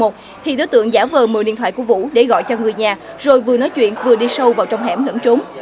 thì đối tượng giả vờ điện thoại của vũ để gọi cho người nhà rồi vừa nói chuyện vừa đi sâu vào trong hẻm lẫn trốn